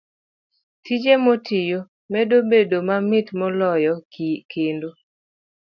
Tije motiyo medo bedo mamit moloyo, kendo